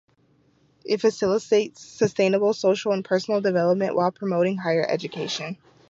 It facilitates sustainable social and personal development while promoting higher education.